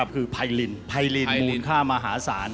คือพายลินมูลค่ามหาศาล